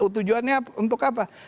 tujuannya untuk apa